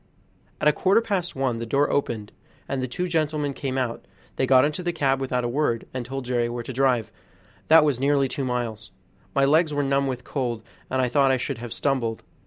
At a quarter past one the door opened, and the two gentlemen came out; they got into the cab without a word, and told Jerry where to drive, that was nearly two miles. My legs were numb with cold, and I thought I should have stumbled.